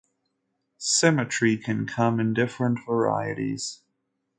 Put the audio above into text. Symmetry can come in different varieties.